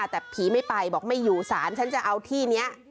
แต่ผีไม่ไปบอกไม่อยู่สารฉันจะเอาที่นี้